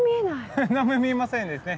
ハハ何も見えませんですね。